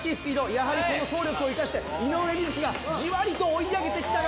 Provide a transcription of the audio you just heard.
やはりこの走力を生かして井上瑞稀がじわりと追い上げてきたが。